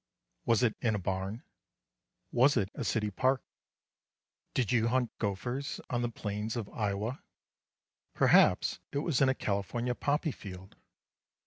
Was it in a barn? Was it a city park? Did you hunt gophers on the plains of Iowa? Perhaps it was in a California poppy field.